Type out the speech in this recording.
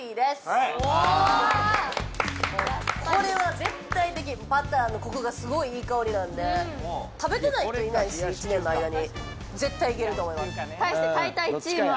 もうこれは絶対的バターのコクがすごいいい香りなんで食べてない人いないし１年の間に絶対いけると思います対してたいたいチームは？